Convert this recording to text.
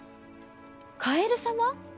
カエル様？